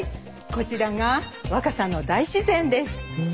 こちらが若桜の大自然です。